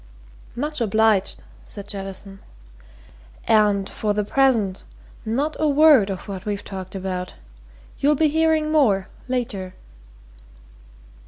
"Much obliged," said Jettison. "And for the present not a word of what we've talked about. You'll be hearing more later."